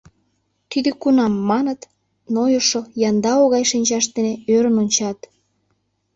— Тиде кунам? — маныт, нойышо, яндау гай шинчашт дене ӧрын ончат.